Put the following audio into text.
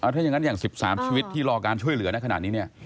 ถ้าอย่างนั้นอย่าง๑๓ชีวิตที่รอการช่วยเหลือในขณะนี้เนี่ย